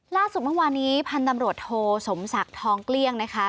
เมื่อวานี้พันธุ์ตำรวจโทสมศักดิ์ทองเกลี้ยงนะคะ